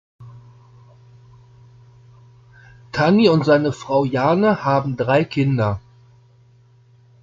Tani und seine Frau Jane haben drei Kinder.